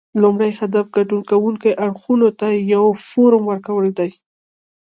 لومړی هدف ګډون کوونکو اړخونو ته یو فورم ورکول دي